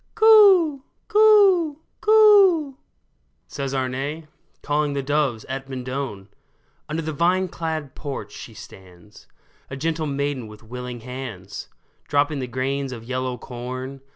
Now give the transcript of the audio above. Coo ! coo ! coo !" says Arne, Calling the doves at Mendon ! Under the vine clad porch she stands, A gentle maiden with willing hands, Dropping the grains of yellow corn.